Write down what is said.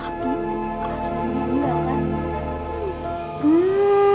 asli juga kan